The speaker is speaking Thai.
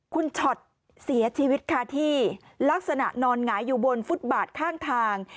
คุณช็อตเสียชีวิตค่ะที่ลักษณะนอนหงายอยู่บนฟุตบาทข้างทาง